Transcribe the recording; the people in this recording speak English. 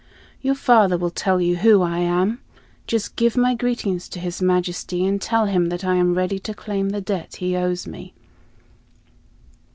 "Your father will tell you who I am. Just give my greetings to his Majesty, and tell him that I am ready to claim the debt he owes me."